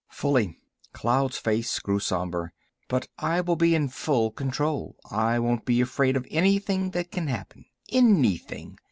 "Fully." Cloud's face grew somber. "But I will be in full control. I won't be afraid of anything that can happen—anything.